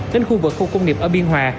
đến khu vực khu công nghiệp ở biên hòa